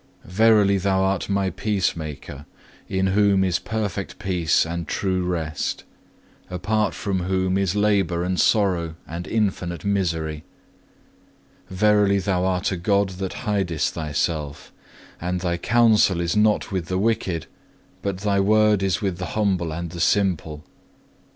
Verily Thou art my Peacemaker, in Whom is perfect peace and true rest, apart from Whom is labour and sorrow and infinite misery. Verily Thou art a God that hidest Thyself, and Thy counsel is not with the wicked, but Thy Word is with the humble and the simple.